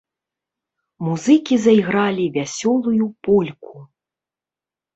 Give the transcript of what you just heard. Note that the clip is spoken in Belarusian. Музыкі зайгралі вясёлую польку.